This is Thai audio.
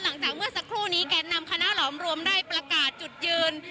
หลังจากเมื่อสักครู่นี้แกนนำคณะหลอมรวมได้ประกาศจุดยืน